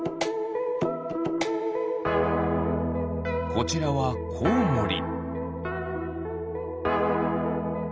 こちらはコウモリ。